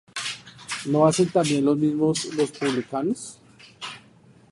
¿no hacen también lo mismo los publicanos?